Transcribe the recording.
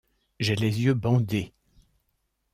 J’ai les yeux bandés!